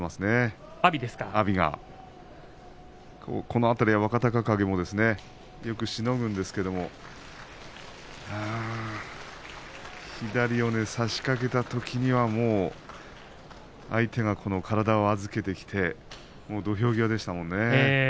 この辺り、若隆景もよくしのぐんですけど左を差しかけたときにはもう相手が体を預けてきて土俵際でしたものね。